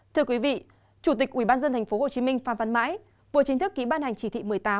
thưa quý vị chủ tịch ubnd tp hcm phan văn mãi vừa chính thức ký ban hành chỉ thị một mươi tám